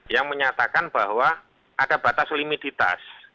yang menyatakan bahwa ada batas limititas